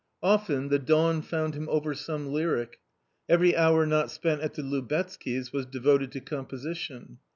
Often the dawn found him over some lyric. Every hour not spent at the Lubetzkys was devoted to composition.